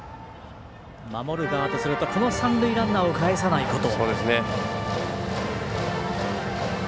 守る側とするとこの三塁ランナーをかえさないこと。